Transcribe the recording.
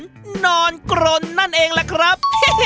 นอนกรนนั่นเองล่ะครับ